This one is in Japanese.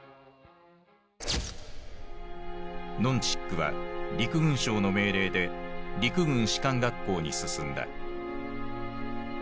ノン・チックは陸軍省の命令で陸軍士官学校に進んだ。